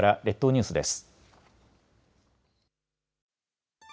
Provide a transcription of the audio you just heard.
列島ニュースです。